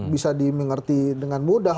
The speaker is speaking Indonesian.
bisa dimengerti dengan mudah